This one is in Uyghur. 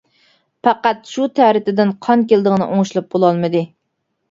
پەقەت شۇ تەرىتىدىن قان كېلىدىغىنى ئوڭشىلىپ بولالمىدى.